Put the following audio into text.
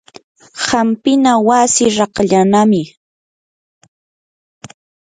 hampina wasi raqallanami.